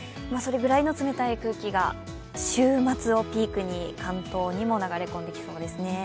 それぐらいの冷たい空気が週末をピークに関東にも流れ込んできそうです。